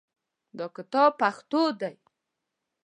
دا کتاب پښتو دی